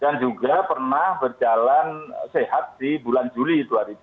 dan juga pernah berjalan sehat di bulan juli dua ribu dua puluh dua